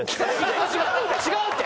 違うって！